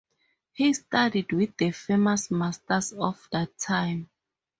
He studied with the famous masters of that time.